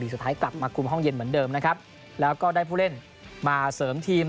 สุดท้ายกลับมาคุมห้องเย็นเหมือนเดิมนะครับแล้วก็ได้ผู้เล่นมาเสริมทีม